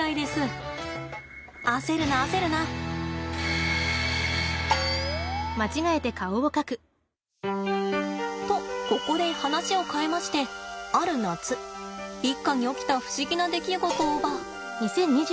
焦るな焦るな。とここで話を変えましてある夏一家に起きた不思議な出来事をば。